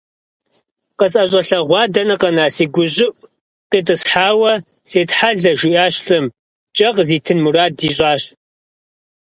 КъысӀэщӀэлъэгъуа дэнэ къэна, си гущӀыӀу къитӀысхьауэ сетхьэлэ! - жиӀащ лӀым, кӀэ къызитын мурад ищӀащ.